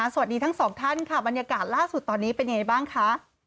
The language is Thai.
สวัสดีทั้งสองท่านค่ะบรรยากาศล่าสุดตอนนี้เป็นยังไงบ้างคะ